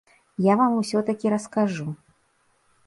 Я вам усё-такі раскажу.